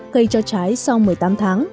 cây cho trái sau một mươi tám tháng